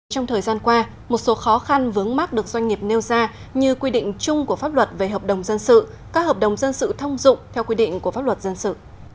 trong thời gian qua một số khó khăn vướng mắt được doanh nghiệp nêu ra như quy định chung của pháp luật về hợp đồng dân sự các hợp đồng dân sự thông dụng theo quy định của pháp luật dân sự